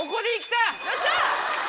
よっしゃ！